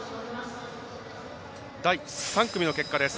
第３組の結果です。